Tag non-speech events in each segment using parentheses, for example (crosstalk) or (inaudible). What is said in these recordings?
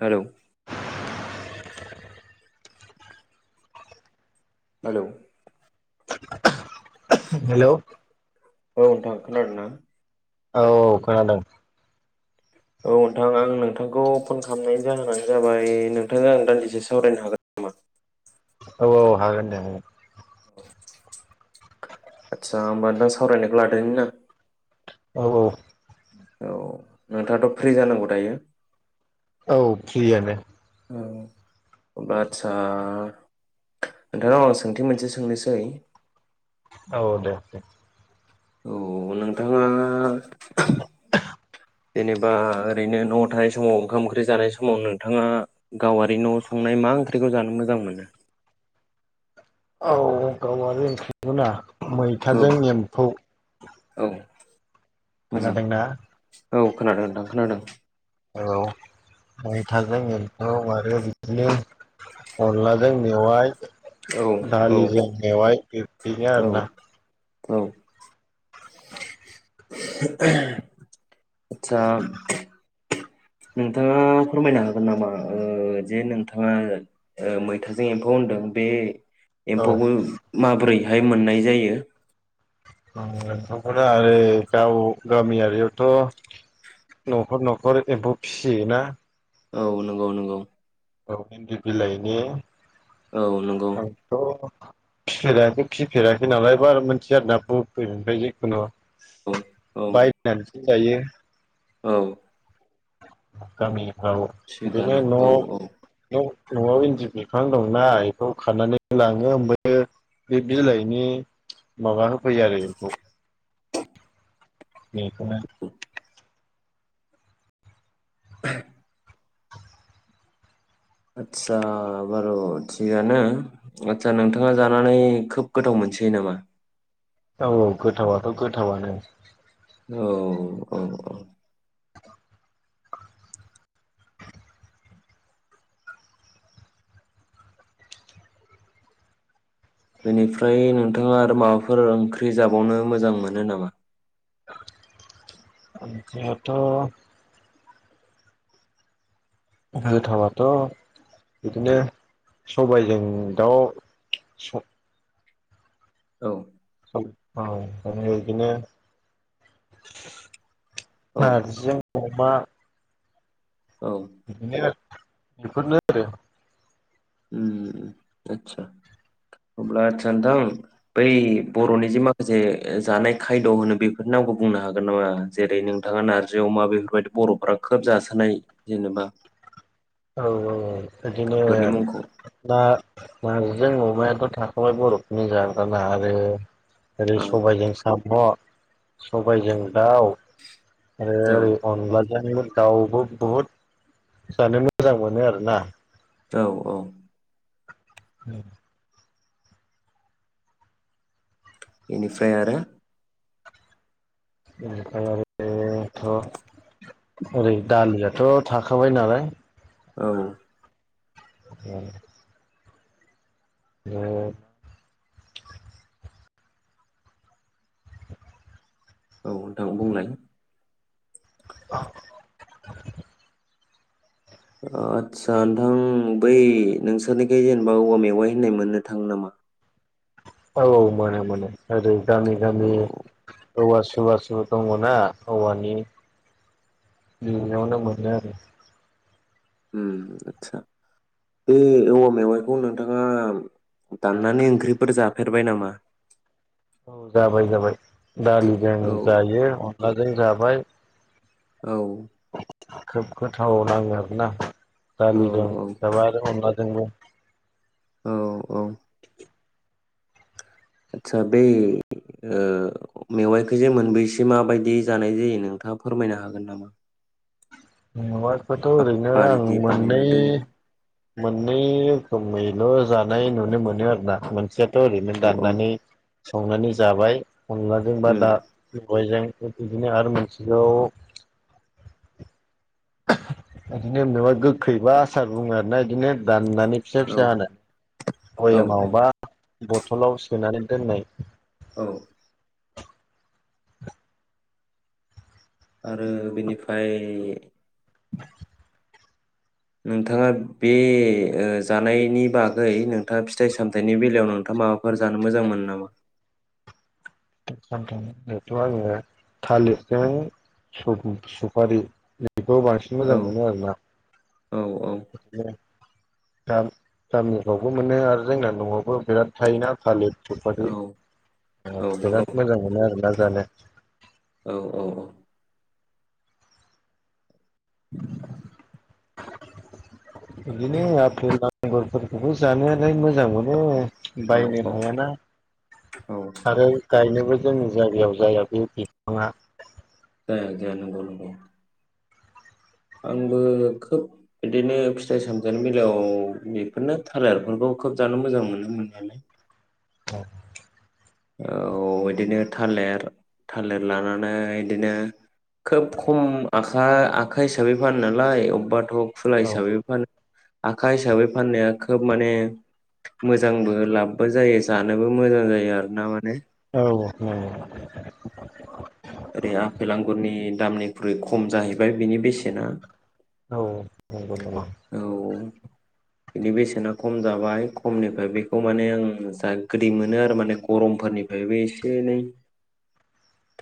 हेल' hello hello. औ नोथां खोनादोंना? औ औ खोनादों। औ नोंथां आं नोंथांखौ फन खालामनायनि जाहोनानो जाबाय नोंथांजों आं दान्दिसे सावरायनो हागोन नामा? औ औ हागोन दे हागोन। आदसा होमबा नोंथां सावरायनायखौ लादोनि ना? औ औ। औ नोंथाङाथ' फ्रि जानांगौ दायो? औ फ्रियानो। ओम आतसा नोंथांनाव आं सोंथि मोनसे सोंनोसै औ दे दे। औ नोंथाङा जेनेबा ओरैनो न'आव थानाय समाव ओंखाम ओंख्रि जानाय समाव नोंथाङा गावारि न' संनाय मा ओंख्रिखौ जानो मोजां मोनो? औ गावआरि ओंख्रिखौना? औ मैथाजों एम्फौ। औ। मोजां खोनादोंना? औ खोनादों नोंथां खोनादों। औ। मैथाजों एम औ आरो बिदिनो अनलाजों मेवाय औ औ दालिजों मेवाय बिब्दिनो आरोना। औ औ (inaudible) आतसा नोंथाङा फोरमायनो हागोन नामा ओ जे नोंथाङा ओ मैथाजों एम्फौ होनदों बे औ एम्फौखौ माब्रै बेहाय मोननाय जायो। ओ एम्फौखौना गाव गामियारियावथ' न'खर- न'खर एम्फौ फिसियोना औ नंगौ नंगौ। औ इन्दि बिलाइनि औ नंगौ आंथ' फिफेराखै फिफेराखै नालाय बारा मोनथिया आरोना बबेनिफ्राय जिखुनु औ औ बाय चान्स। जायो। औ। गामि औ बिदिनो थिगानो न' औ औ औ। न'आव इन्दि बिफां दंना इखौ खानानै लाङो। ओमफ्राय बे बिलाइनि माबा फैयो आरो इखौ। बेखौनो (inaudible) आदसा बार' थिगानो आदसा नोंथाङा जानानै खोब गोथाव मोनसोयो नामा? औ गोथावाथ' गोथावानो। औ औ औ। बेनिफ्राय नोंथाङा आरो माबाफोर ओंख्रि जाबावनो मोजां मोनो नामा? ओंख्रियाथ' गोथावाथ' बिदिनो सबायजों दाउ औ औ (unintelligible) औ नारजिजों अ मा औ बिदिनो बेफोरनो आरो ओम आदसा अब्ला आदसा नोंथां बै बर'नि जे माखासे जानाय खायद' होनो बेफोरनि नामखौ बुंनो हागोन नामा जेरै नोंथाङा नारजि अमा बेफोरबायदि बर'फ्रा खोब जासोनाय जेनेबा। औ औ। बिदिनो फोरनि मुंखौ ना नारजिजों अमायाथ' नाखौलाय बर'फोरनि जाग्रा ना आरो ओरै औ सबाइजों साम' सबायजों दाउ आरो औ ओरै अनला लाजोंबो दाउबो बहुत जानो मो जां मोनो आरोना। औ औ। (inaudible) एनिफ्राय आरो ओनिफ्राय आरो बेथ' ओरै दालियाथ' थाखाबाय नालाय औ उम (unintelligible) औ नोंथां बुंलाय (inaudible) आदसा नोंथां बै नोंसोरनिखै जेनेबा औवा मेवाइ होननाय मोननो थाङो नामा? औ मोनो मोनो ओरै गामि औ गामि औवा सुबा सुबा दङना औवानि बियावनो मोनो आरो। ओम आतसा बे औवा मेवाइखौ नोंथाङा दाननानै ओंख्रिफोर जा फेरबाय नामा? औ जाबाय जाबाय। दालिजों औ जायो अ नलाजों जाबाय औ खोब गोथाव नांङो आरोना औ दालिजों‌ औ दाबाजों अनलाजोंबो औ औ आदसा बै ओ मेवाइखो जे मोनबैसो माबायदि जानाय जायो नोंथांङा फोरमायनो हागोन नामा? मेवाइ खौथ' ओरैनो आं बायदि मोननै बानायना दोनो मोननै रोखोमैल' जानाय नुनो मोनो आरोना मोनसे थ' ओरैनो औ औ दाननानै संनानै जाबाय। अनलाजों बा उम दा सबायजों थिग बिदिनो आरो मोनसेखौ इदिनो मेवाइ गोखैबा आसार बुंङो आरोना इदिनो दा ननानै फिसा औ फिसा हानो औ औ भयमावबा बथलाव सोनानै दोननाय औ आरो बेनिफाय नोंथांङा बे ओ जानायनि बागै नोंथांङा फिथाइ सामथायनि बेलायाव नोंथांङा माबाफोर जानो मोजां मोनो नामा? (unintelligible) आंङो थालिरजों सु-सुफारि बेखौ बांसिन औ मोजां मोनो आरोना। औ औ गा गामिफ्रावबो मोनो आरो जोंना न'आवबो बिराद थायोना थालिर सुफारि औ ओ औ नंगौ बिराद मोजां मोनो आरो ना जानो औ औ औ इदिनो आपेल आ गुरफोरखौबो जानायालाय मोजां मो नो औ बायनो औ हायाना औ आरो गायनोबो जोंनि जायगायाव जाया बे बिफांङा। जाया जाया नंगौ नंगौ। आंबो खोब बिदिनो फिथाइ सामथायनि बेलायाव बेफोरनो थालिरफोरखौ खोब जानो मोजां मोनो मोननायालाय। औ औ इदिनो थालिर थालिर लानानै इदिनो खोब खम आखा आखा हिसाबै फानो नालाय अबेबाथ' खुला औ हिसाबैबो फानो आखा हिसाबै फाननाया खोब माने मोजांबो लाबबो जायो जानोबो मोजां जायो आरो। ना माने औ औ ओरै आफेल आंगुरनि दामनिख्रुइ खम जाहैबाय बिनि बेसेना औ औ (unintelligible) औ बिनि बेसेना खम जाबाय खमनिफ्राय बेखौ माने आं जा गोदै मोनो आरो माने गरमफोरनिफ्रायबो एसे एनै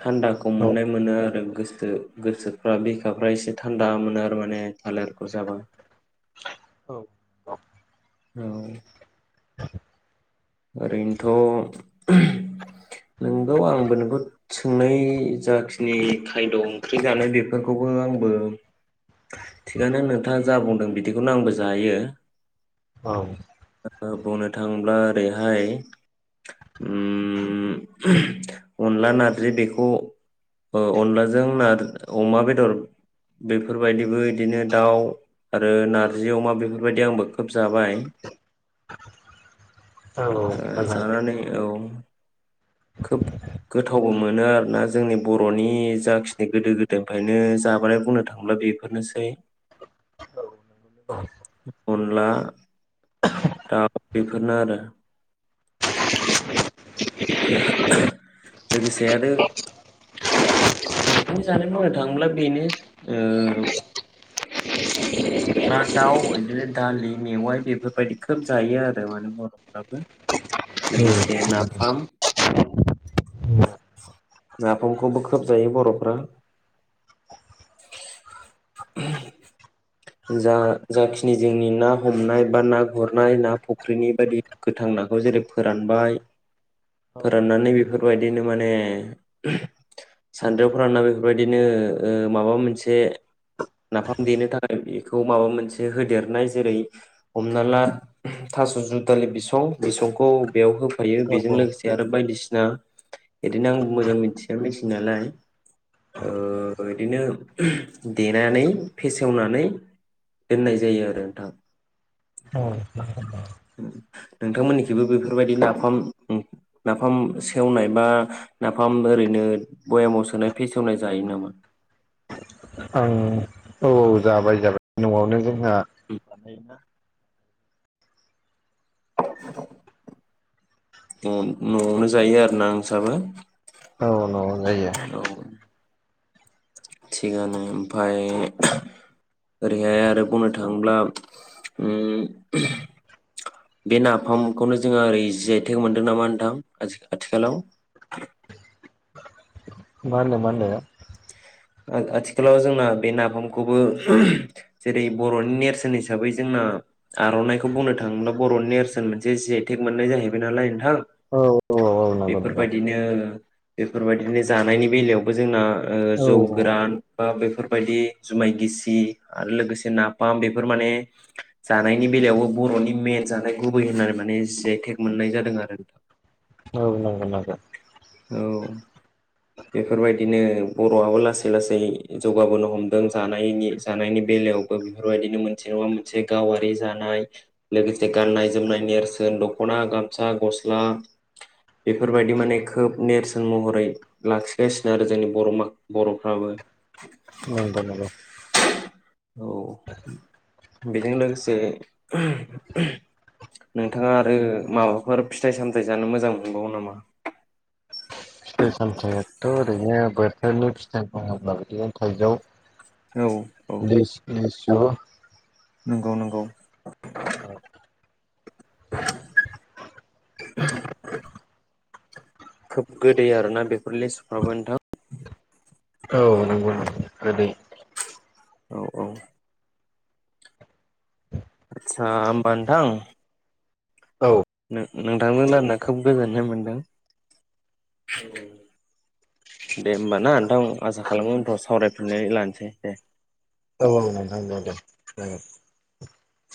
थान्दाखौ औ मोननाय मोनो आरो गोसो गोसोफ्रा बिखाफ्रा एसे थान्दा मोनो आरो माने भाल आरख (inaudible) जाबा औ औ औ ओरैनोथ नोंगौ आंबो नोंगौ सोंनाय जाखिनि खायद ओंख्रि जानाय बेफोरखौबो आंबो थिगानो नोंथाङा जा बुंदों बिदिखौनो आंबो जायो औ ओ बुंनो थाङोब्ला ओरैहाय ओम अनला नारजि बेखौ ओ अनलाजों ना अमा बेदर बेफोरबायदिबो बिदिनो दाउ आरो नारजि अमा बेफोरबायदि आंबो खोब जाबाय औ जानानै औ खोब गोथावबो मोनो आरोना जोंनि बरनि जाखिनि गोदो गोदायनिफ्रायनो जाबोनाय बुंनो थांब्ला बेफोरनोसै अनला दा बेफोरनो आरो लोगोसे आरो बरफोरनि जानाय बुंनो‌ थाङोब्ला बेनो ओ ना दाउ बिदिनो दालि मेवाइ बेफोरबायदि खोब जायो आरो माने बरफोराबो मोजां लोगोसे ना थाम नाफामखौबो खोबजायो बरफ्रा जा जाखिनि जोंनि ना हमनाय बा ना गुरनाय ना फुख्रिनि बायदि गोथां नाखौ जेरै फोरानबाय औ फोराननानै बेफोरबायदिनो माने सानद्रियाव फोरानना बेफोरबायदिनो ओ माबा मोनसे नाफाम देनो थाखाय बेखौ माबा मोनसे होदेरनाय जेरै हमना ला थास जुदालि बिसं बिसंखौ बेयाव होफ फायो औ बेजों लोगोसे आरो बायदिसिना इदिनो आं मोजां मिथिया मिथिनायालाय ओ बिदिनो देनानै फेसेवनानै दोनाय जायो आरो नोंथां आं नोंथांमोननिखैबो बेफोरबायदि नाफाम नाफाम सेवनाय बा नाफाम ओरैनो बयामाव सोनाय फेसेवनाय जायो नामा आं औ जाबाय जाबाय नआवनो जों ह (inaudible) (unintelligible) न नआवनो जायो आरो ना नोंसाबो औ नवाव जायो औ थिगानो ओमफाय ओरैहाय आरो बुंनो थाङोब्ला ओम बे नाफामखौनो जोङो ओरै जिआइटेग मोनदों नामा नोंथां आथि आथिखालाव माहोनदो माहोनदो आ आथिखालाव जोंना बे नाफामखौबो जेरै बर नि नेरसोन हिसाबै जोंना आर नाइखौ बुंनो थाङोब्ला बर'नि नेरसोन मोनसे जेटेक मोननाय जाहैबाय नालाय नोंथां औ औ औ नंगौ नंगौ बेफोरबायदिनो बेफोरबायदिनो जानायनि बेलायावबो जोंना ओ औ जौ गोरान बा बेफोरबायदि जुमाय गिसि आरो लोगोसे नाफाम बेफोर माने जानायनि बेलायावबो बर नि मेन जानाय गुबै होननानै माने जियाय टेक मोननाय जादों आरो। नंगौ नंगौ औ बेफोरबायदिनो बर' आबो लासै लासै जौगाबोनो हमदों जानायनि जानायनि बेलायावबो बेफोरबायदिनो मोनसे नङा मोनसे गावारि जानाय लोगोसे गाननाय जोमनाय नेरसोन दखना गामसा गस्ला बेफोरबायदि माने खोब नेरसोन महरै लाखिगासिनो आरो जोंनि बर' मा बर'फ्राबो। नंगौ नंगौ औ बेजों लोगोसे नोंथांङा आरो माबाफोर फिथाइ सामथायाइ जानो मोजां मोनबावो नामा? बिदिनो बोथोरनि फिथाइ बुंङोब्ला बिदिनो थाइजौ औ औ निस निस नंगौ नंगौ नंगौ खोब गोदै आरोना बेफोर लिसुफ्राबो नोंथां। अ नोंगौ नोंगौ गोदै। औ औ आचसा होमबा नोंथां औ नों नोंथांजों रायलायना खोब गोजोननाय मोनदों दे होमबा ना नोंथां आसा खालामो उनफोराव सावरायफिननानै लानोसै दे। औ औ नोंथां दे दे